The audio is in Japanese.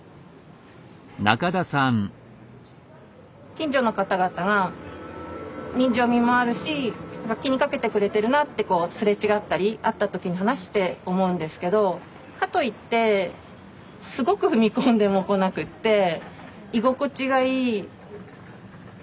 近所の方々が人情味もあるし気にかけてくれてるなってこうすれ違ったり会った時に話して思うんですけどかといってすごく踏み込んでもこなくって居心地がいい。